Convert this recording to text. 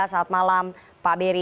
selamat malam pak barry